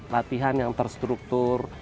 latihan yang terstruktur